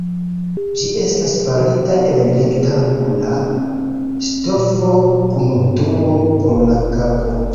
Ĝi estis farita el rektangula ŝtofo kun truo por la kapo.